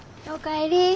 お帰り。